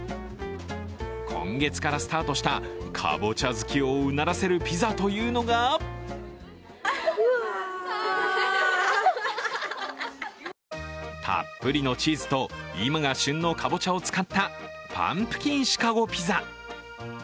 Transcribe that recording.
今月からスタートしたかぼちゃ好きをうならせるピザというのがたっぷりのチーズと今が旬のかぼちゃを使ったパンプキンシカゴピザ。